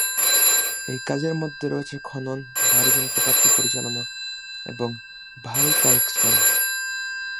এই কাজের মধ্যে রয়েছে খনন, ভারী যন্ত্রপাতি পরিচালনা এবং ভারী কায়িক শ্রম।